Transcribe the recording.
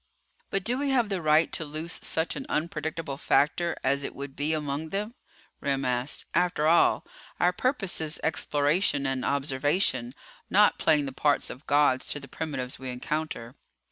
"But do we have the right to loose such an unpredictable factor as it would be among them?" Remm asked. "After all, our purpose is exploration and observation, not playing the parts of gods to the primitives we encounter."